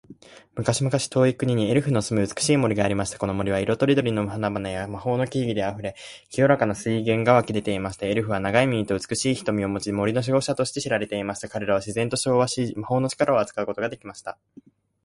昔々、遠い国にエルフの住む美しい森がありました。この森は、色とりどりの花々や魔法の木々で溢れ、清らかな水源が湧き出ていました。エルフは、長い耳と美しい瞳を持ち、森の守護者として知られていました。彼らは自然と調和し、魔法の力を扱うことができました。